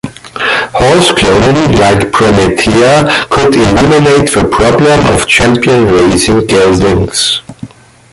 Horse cloning like Prometea could eliminate the problem of champion racing geldings.